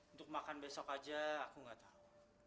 untuk makan besok aja aku nggak tahu